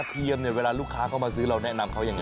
เทียมเนี่ยเวลาลูกค้าเข้ามาซื้อเราแนะนำเขายังไง